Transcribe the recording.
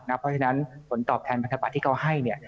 เพราะฉะนั้นผลตอบแทนพันธบัตรที่เขาให้